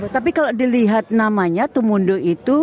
tapi kalau dilihat namanya tumondo itu